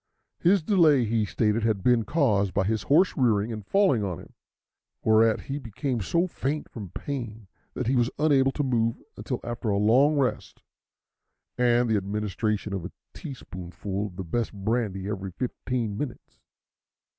His delay, he stated, had been caused by his horse rearing and falling on him, whereat he became so faint from pain that he was unable to move until after a long rest and the administration of a teaspoonful of the best brandy every fifteen minutes.